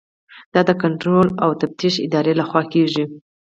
دا د کنټرول او تفتیش ادارې لخوا کیږي.